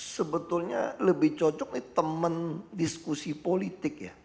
sebetulnya lebih cocok nih teman diskusi politik ya